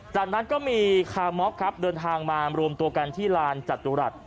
จากนั้นก็มีคาม็อกครับเดินทางมารวมตัวกันที่ลานจตุรัส